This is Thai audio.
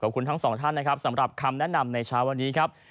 ขอบคุณทั้งสองท่านนะครับสำหรับคำแนะนำในเช้าวันนี้ครับ